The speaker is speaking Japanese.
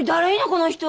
この人。